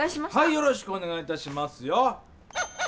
よろしくおねがいいたしますよ。